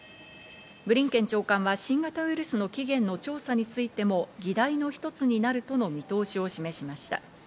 ブリンケン長官は新型ウイルスの起源の調査についても議題の一つになるとの見通しを示しました。